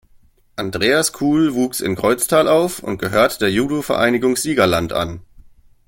Andreas Kuhl wuchs in Kreuztal auf und gehört der "Judo-Vereinigung Siegerland" an.